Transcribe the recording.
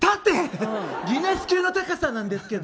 ギネス級の高さなんですけど！